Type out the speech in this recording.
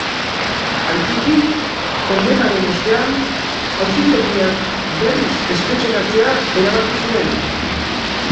Aitzitik, kondenaren ostean, auzitegiak berriz espetxeratzea erabaki zuen.